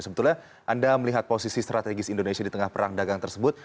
sebetulnya anda melihat posisi strategis indonesia di tengah perang dagang tersebut